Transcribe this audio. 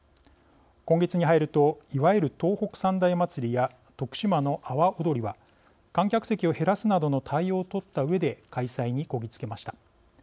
今月に入るといわゆる東北三大まつりや徳島の阿波おどりは観客席を減らすなどの対応を取ったうえで開催にこぎ着けました。